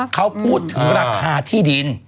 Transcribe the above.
เขาพูดถึงราคาที่ดิน